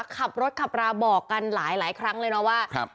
ขับรถขับราบอกกันหลายหลายครั้งเลยเนาะว่าครับ